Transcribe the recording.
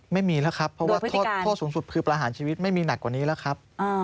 ไม่มีแล้วครับเพราะว่าโทษสูงสุดคือประหารชีวิตไม่มีหนักกว่านี้แล้วครับ